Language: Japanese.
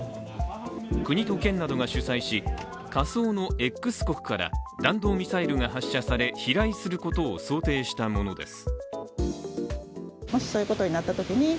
国と県などが主催し、仮想のＸ国から弾道ミサイルが発射され飛来することを想定したものです。